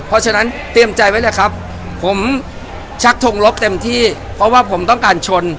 เพราะฉะนั้นเตรียมใจไว้เลยครับผมชักทงลบเต็มที่เพราะว่าผมต้องการชน